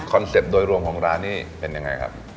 เซ็ปต์โดยรวมของร้านนี้เป็นยังไงครับ